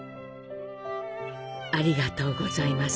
ありがとうございます。